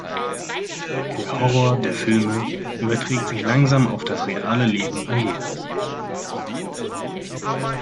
Der Horror der Filme überträgt sich langsam auf das reale Leben Angelas.